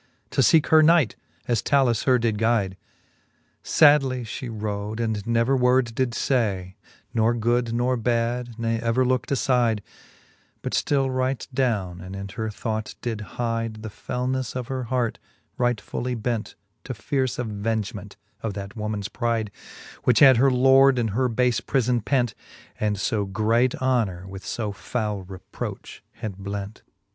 To feeke her knight, as Talus her did guide : Sadly flie rode, and never word did {ay, Nor good nor bad, ne ever lookt afide, But ftill right downe, and in her thought did hide The felnefTe of her heart, right fully bent To fierce avengement of that woman's pride, Which had her lord in her bafe prifbn pent, And fo great honour with fb fowle reproch had blent ; XIX.